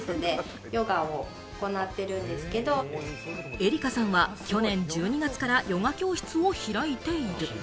絵梨香さんは去年１２月からヨガ教室を開いている。